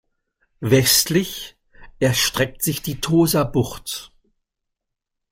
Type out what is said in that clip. Westlich erstreckt sich die Tosa-Bucht.